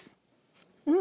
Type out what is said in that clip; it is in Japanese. うん！